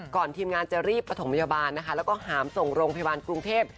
ทีมงานจะรีบประถมพยาบาลนะคะแล้วก็หามส่งโรงพยาบาลกรุงเทพ